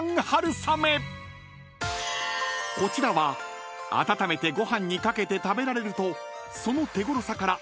［こちらは温めてご飯に掛けて食べられるとその手ごろさから］